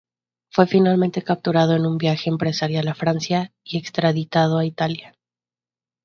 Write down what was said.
Fue finalmente capturado en un viaje empresarial a Francia, y extraditado a Italia.